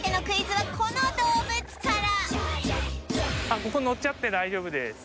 あっここ乗っちゃって大丈夫です。